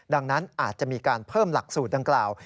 ดังนั้นอาจจะมีการเพิ่มหลักสูตรดังกล่าว